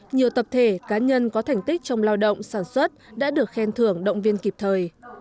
nhiều tập thể cá nhân có thành tích trong lao động sản xuất đã được khen thưởng động viên kịp thời